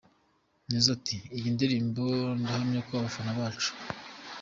Nizzo ati, Iyi ndirimbo ndahamya ko abafana bacu.